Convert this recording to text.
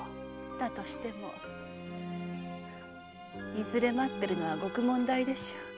だとしてもいずれ待ってるのは獄門台でしょ。